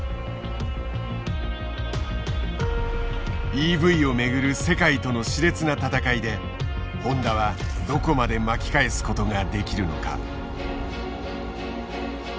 ＥＶをめぐる世界とのしれつな闘いでホンダはどこまで巻き返すことができるのか。